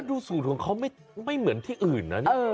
ดูสูตรของเขาไม่เหมือนที่อื่นนะ